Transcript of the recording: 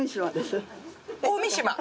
大三島？